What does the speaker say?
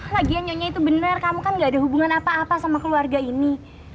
lagian nyonya itu benar kamu kan gak ada hubungan apa apa sama keluarga ini